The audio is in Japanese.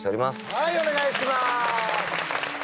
はいお願いします